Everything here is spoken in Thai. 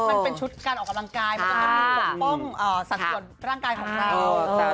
มันเป็นชุดการออกกำลังกายมันจะต้องมีปกป้องสัดส่วนร่างกายของเรา